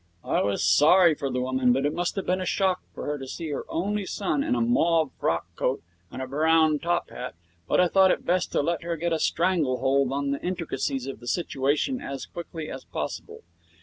I was sorry for the woman, for it must have been a shock to her to see her only son in a mauve frockcoat and a brown top hat, but I thought it best to let her get a strangle hold on the intricacies of the situation as quickly as possible.